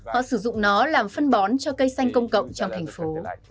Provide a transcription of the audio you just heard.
họ sử dụng nó làm phân bón cho cây xanh công cộng trong thành phố